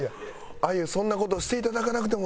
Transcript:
あゆそんな事していただかなくても。